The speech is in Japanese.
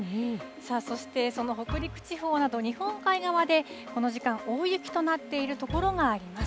そして、その北陸地方など、日本海側で、この時間、大雪となっている所があります。